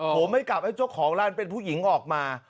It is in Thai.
ผมไม่กลับให้เจ้าของร้านเป็นผู้หญิงออกมา